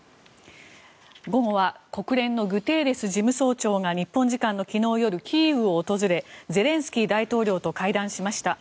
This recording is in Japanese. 午後は国連のグテーレス事務総長が日本時間の昨日夜、キーウを訪れゼレンスキー大統領と会談しました。